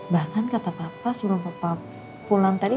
bahkan kata papa sebelum papa pulang tadi